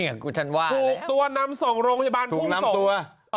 นี่กับกูฉันว่าถูกตัวนำส่งโรงพยาบาลภูมิส่งถูกนำตัว